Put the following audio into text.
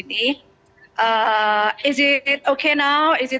apakah sekarang ini baik apakah ini aman